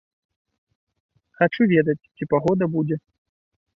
Хачу ведаць, ці пагода будзе.